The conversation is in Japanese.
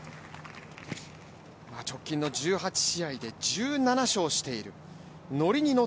直近の１８試合で１７勝しているノリにノ